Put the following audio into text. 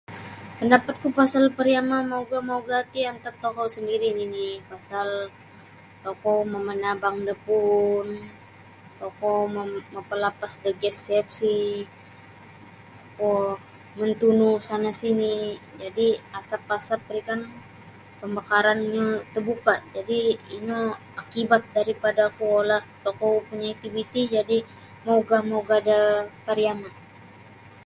Pandapatku pasal pariama' maugah maugah ti antat tokou sandiri' nini' pasal tokou mo' manabang da puun tokou mom mapalapas da gas cfc kuo mantunu sana sini' jadi' asap-asap ri kan pambakarannyo tabuka' jadi' ino akibat daripada kuolah tokou punya' iktiviti jadi' maugah maugah da pariama'